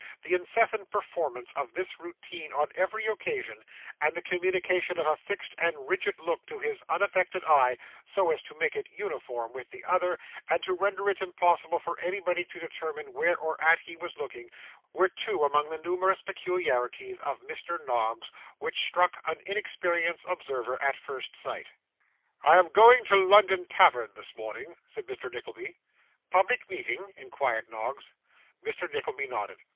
The incessant performance of this routine on every occasion, and the communication of a fixed and rigid look to his unaffected eye, so as to make it uniform with the other, and to render it impossible for anybody to determine where or at what he was looking, were two among the numerous peculiarities of Mr. Noggs, which struck an inexperienced observer at first sight. 'I am going to the London Tavern this morning,' said Mr. Nickleby. 'Public meeting?' inquired Noggs. Mr. Nickleby nodded.